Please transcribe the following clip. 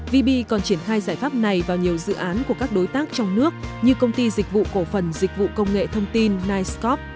vb còn triển khai giải pháp này vào nhiều dự án của các đối tác trong nước như công ty dịch vụ cổ phần dịch vụ công nghệ thông tin nigop